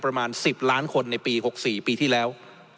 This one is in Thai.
เป็นคนในปี๖๔ปีที่แล้ว